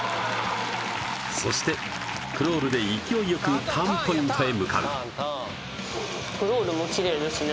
そしてクロールで勢いよくターンポイントへ向かうクロールもきれいですね